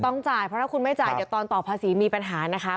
ต้องจ่ายเพราะถ้าคุณไม่จ่ายเดี๋ยวตอนต่อภาษีมีปัญหานะคะ